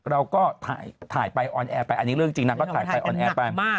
เราก็ถ่ายไปออนแอร์ไปอันนี้เรื่องจริงนางก็ถ่ายไปออนแอร์ไป